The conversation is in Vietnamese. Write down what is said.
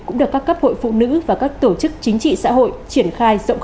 cũng được các cấp hội phụ nữ và các tổ chức chính trị xã hội triển khai rộng khắp trên địa bàn tỉnh phú yên